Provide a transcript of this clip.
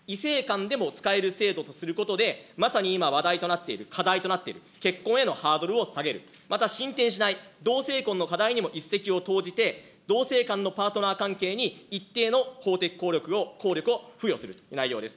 使える制度とすることで、まさに今話題となっている、課題となっている結婚へのハードルを下げる、また進展しない同性婚の課題にも一石を投じて、同性間のパートナー関係に一定の法的効力を付与する内容です。